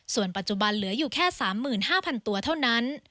ส่วนปัจจุบันเหลืออยู่แค่๓๕๐๐๐ตัวเท่านั้น